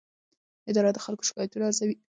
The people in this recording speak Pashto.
اداره د خلکو شکایتونه ارزوي.